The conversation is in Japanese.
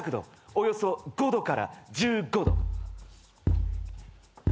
およそ５度から１５度。